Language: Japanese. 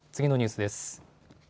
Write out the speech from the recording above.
では次のニュースです。